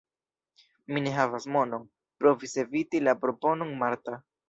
Mi ne havas monon – provis eviti la proponon Marta.